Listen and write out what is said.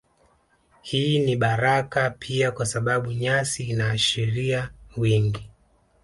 Hii ni baraka pia kwa sababu nyasi inaashiria wingi